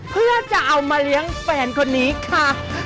เพื่อจะเอามาเลี้ยงแฟนคนนี้ค่ะ